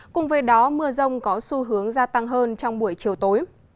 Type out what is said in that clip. cùng với đó mưa rông có xu hướng gia tăng hơn trong buổi chiều tối